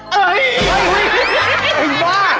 เฮ้ยบ้า